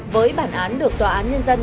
với bản án được tòa án nhân dân